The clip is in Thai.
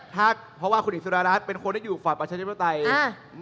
เพราะว่าคุณหญิงสุดารัสเป็นคนที่อยู่ฝั่งประชานิบนตรี